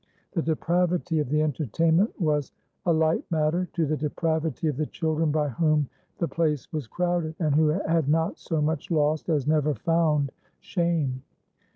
The depravity of the entertainment was a light matter to the depravity of the children by whom the place was crowded, and who had not so much lost as never found shame.